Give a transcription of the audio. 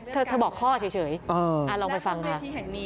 เธอบอกข้อเฉยลองไปฟังค่ะ